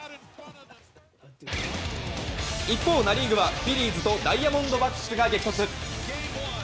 一方、ナ・リーグはフィリーズとダイヤモンドバックスが激突！